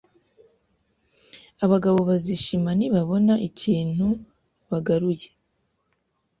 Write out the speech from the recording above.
Abagabo bazishima nibabona ikintu bagaruye.